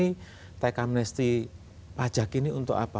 mulai teks amnesti pajak ini untuk apa